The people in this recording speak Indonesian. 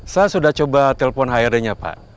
saya sudah coba telepon hid nya pak